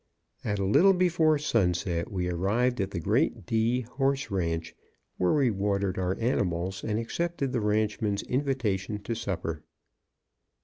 At a little before sunset we arrived at the great D. Horse Ranch, where we watered our animals and accepted the ranchman's invitation to supper.